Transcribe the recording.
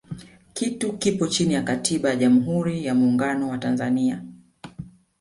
kitu kipo chini ya katiba ya jamhuri ya muungano wa tanzania